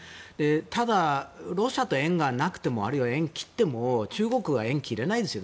ただ、ロシアと縁がなくてもあるいは縁を切っても中国は縁を切れないですよ。